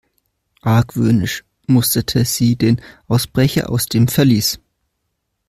Argwöhnisch musterte sie den Ausbrecher aus dem Verlies.